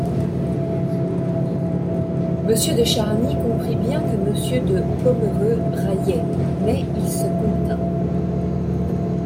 Monsieur de Charny comprit bien que Monsieur de Pomereux raillait, mais il se contint.